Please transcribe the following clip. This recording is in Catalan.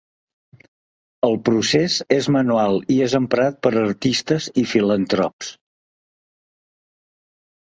El procés és manual i és emprat per artistes i filantrops.